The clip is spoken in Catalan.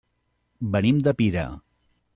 Venim de Pira.